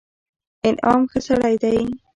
انعام ښه سړى دئ.